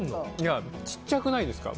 ちっちゃくないですか？